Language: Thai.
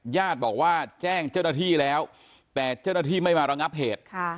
ญาติบอกว่าแจ้งเจ้าหน้าที่แล้วแต่เจ้าหน้าที่ไม่มาระงับเหตุ